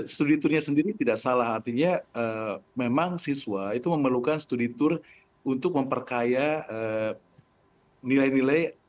studi tournya sendiri tidak salah artinya memang siswa itu memerlukan studi tour untuk memperkaya nilai nilai